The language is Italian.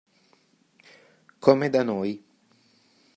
Come da noi.